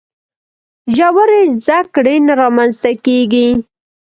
ژورې زده کړې نه رامنځته کیږي.